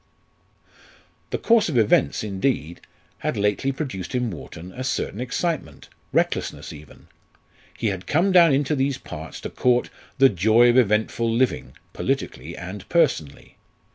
The course of events, indeed, had lately produced in Wharton a certain excitement recklessness even. He had come down into these parts to court "the joy of eventful living" politically and personally.